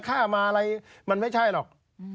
ฆ่ามาอะไรมันไม่ใช่หรอก